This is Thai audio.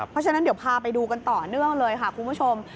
เพราะฉะนั้นเดี๋ยวพาไปดูกันต่อเนื่องเลยค่ะคุณผู้ชม